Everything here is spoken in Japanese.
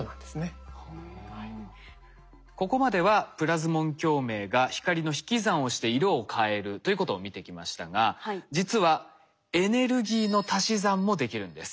ここまではプラズモン共鳴が光の引き算をして色を変えるということを見てきましたが実はエネルギーの足し算もできるんです。